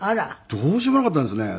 どうしようもなかったんですね。